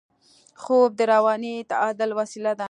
خوب د رواني تعادل وسیله ده